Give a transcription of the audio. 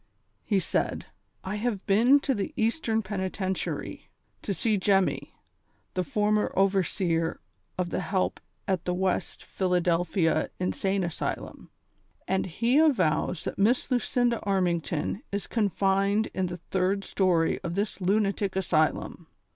He said : "I have been to the Eastern Penitentiary, to see Jemmy, the former overseer of the helj) at the West Pliiladelphia In sane Asylum, and he avows tliat INIiss Lucinda Armington is confined in the third story of tliis Lunatic Asylum